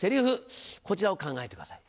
こちらを考えてください。